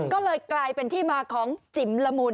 ก็เลยกลายเป็นที่มาของจิ๋มละมุน